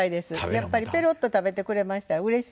やっぱりペロッと食べてくれましたらうれしいです。